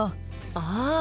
ああ！